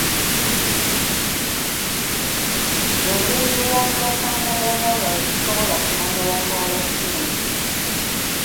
Engeri gye baali bafaanagana, nga sisobola kumanya yatwala ssente!